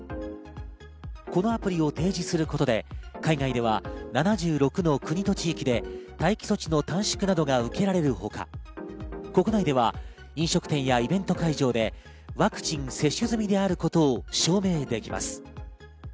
このアプリを提示することで、海外では７６の国と地域で待機措置の短縮などが受けられるほか、国内では飲食店やイベント会場でワクチン接種済みであることを証明できます。